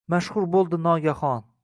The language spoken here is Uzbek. Mashhur bo’ldi nogahon.